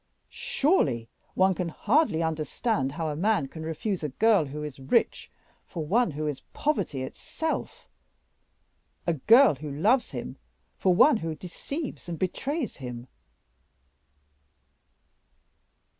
Surely, one can hardly understand how a man can refuse a girl who is rich for one who is poverty itself a girl who loves him for one who deceives and betrays him."